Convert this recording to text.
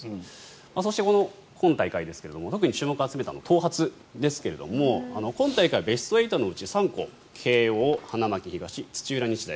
そして今大会ですが特に注目を集めた頭髪ですが今大会ベスト８のうち３校慶応、花巻東、土浦日大